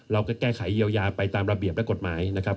เราก็แก้ไขเยียวยาไปตามระเบียบและกฎหมายนะครับ